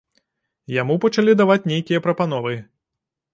Яму пачалі даваць нейкія прапановы.